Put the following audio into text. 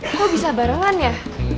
kok bisa barengan ya